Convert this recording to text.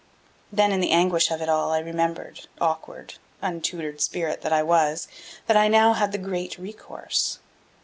Then in the anguish of it all I remembered, awkward, untutored spirit that I was, that I now had the Great Recourse.